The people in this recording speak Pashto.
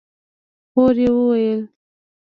خور يې وويل: